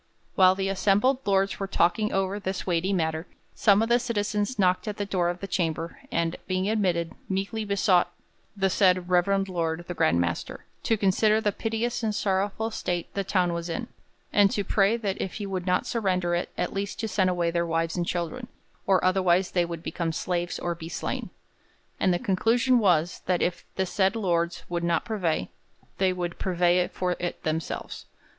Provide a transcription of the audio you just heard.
While the assembled lords were talking over this weighty matter, some of the citizens knocked at the door of the chamber and, being admitted, 'meekly besought the said reverend lord the Grand Master to consider the piteous and sorrowful state the town was in', and to pray that if he would not surrender it, at least to send away their wives and children, or otherwise they would become slaves or be slain. 'And the conclusion was, that if the said lord would not purvey, they would purvey for it themselves.